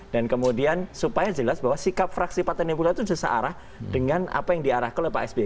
dan kemudian supaya jelas bahwa sikap fraksi patennya pula itu sesa arah dengan apa yang diarahkan oleh pak sby